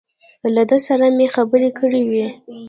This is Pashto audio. له ده سره مې خبرې کړې وې.